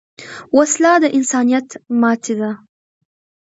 وسله د انسانیت ماتې ده